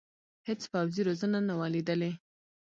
هېڅ پوځي روزنه نه وه لیدلې.